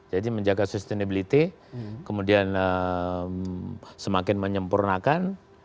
jadi menjaga sustainability kemudian semakin menyempurnakan